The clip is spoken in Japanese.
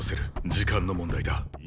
時間の問題だ。